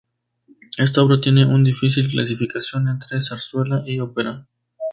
Esta obra tiene una difícil clasificación entre zarzuela y ópera.